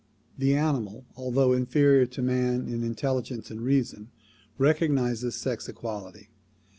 The animal although inferior to man in intelligence and reason recognizes sex equality.